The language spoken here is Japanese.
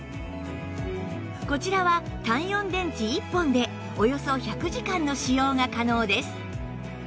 こちらは単４電池１本でおよそ１００時間の使用が可能です